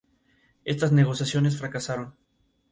Estas negociaciones fracasaron.